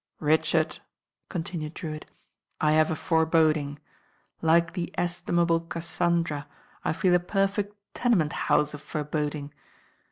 "Richard," continued Drewitt, "I have a fore boding. Like the estimable Cassandra, I feel a perfect tenement house of foreboding.